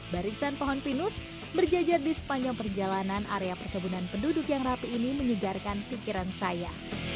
barisan pohon pinus berjajar di sepanjang perjalanan area perkebunan penduduk yang rapi ini menyegarkan pikiran saya